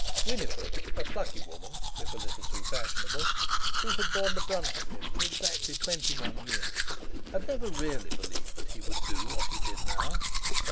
Winifred—a plucky woman, if a little too fashionable—who had borne the brunt of him for exactly twenty one years, had never really believed that he would do what he now did.